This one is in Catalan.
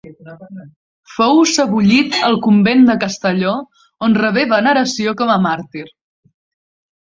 Fou sebollit al convent de Castelló, on rebé veneració com a màrtir.